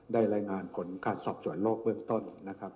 ได้รายงานของการสอบส่วนโรคเบื้องต้นนะครับ